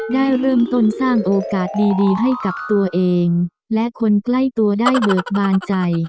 ได้เริ่มต้นสร้างโอกาสดีให้กับตัวเองและคนใกล้ตัวได้เบิกบานใจ